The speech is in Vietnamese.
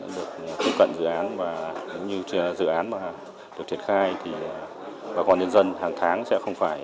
được tiếp cận dự án và nếu như dự án mà được triển khai thì bà con nhân dân hàng tháng sẽ không phải